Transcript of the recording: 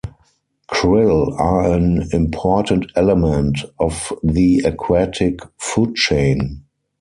Krill are an important element of the aquatic food chain.